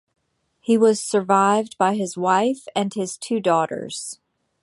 He was survived by his wife and his two daughters.